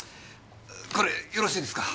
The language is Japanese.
これよろしいですか！？